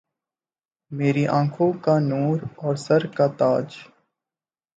میری آنکهون کا نور أور سر کا تاج